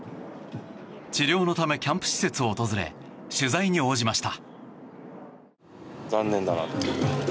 治療のため、キャンプ施設を訪れ取材に応じました。